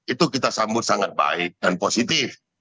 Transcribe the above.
itu kita sambut sangat baik dan positif